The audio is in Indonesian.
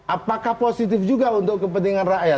apakah positif juga untuk kepentingan rakyat